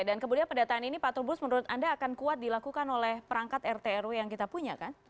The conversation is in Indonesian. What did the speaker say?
dan kemudian pendataan ini pak turbulus menurut anda akan kuat dilakukan oleh perangkat rtro yang kita punya kan